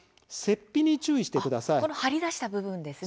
この張り出した部分ですね。